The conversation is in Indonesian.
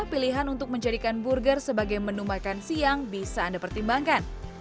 pilihan untuk menjadikan burger sebagai menu makan siang bisa anda pertimbangkan